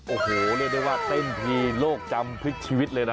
โอ้โหเรียกได้ว่าเต้นทีโลกจำพลิกชีวิตเลยนะ